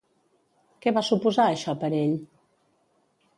Què va suposar això per ell?